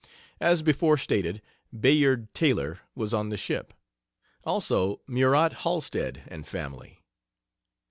As before stated, Bayard Taylor was on the ship; also Murat Halstead and family.